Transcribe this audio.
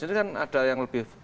ini kan ada yang lebih